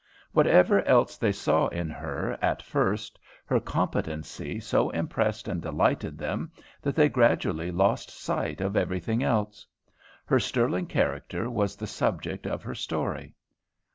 Whatever else they saw in her at first, her competency so impressed and delighted them that they gradually lost sight of everything else. Her sterling character was the subject of her story.